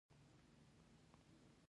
خصوصي ښوونځي او پوهنتونونه شته